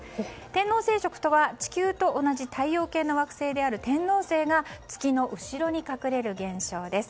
天王星食とは地球と同じ太陽系の惑星である天王星が月の後ろに隠れる現象です。